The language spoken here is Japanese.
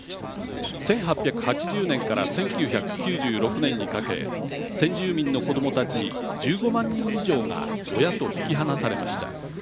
１８８０年から１９９６年にかけ先住民の子どもたち１５万人以上が親と引き離されました。